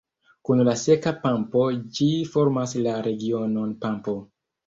Kun la Seka Pampo ĝi formas la regionon Pampo.